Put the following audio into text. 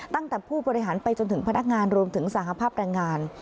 ตั้งแต่ผู้บริหารไปจนถึงพนักงานรวมถึงสหภาพแรงงาน